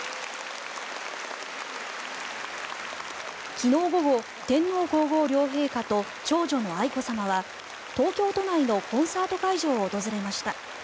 昨日午後、天皇・皇后両陛下と長女の愛子さまは東京都内のコンサート会場を訪れました。